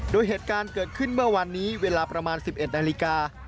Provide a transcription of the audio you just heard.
โดยเหตุการณ์เกิดขึ้นเมื่อวันนี้เวลาประมาณ๑๑นาฬิกา